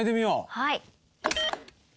はい。